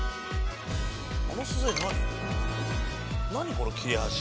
この切れ端。